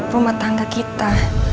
rumah tangga kita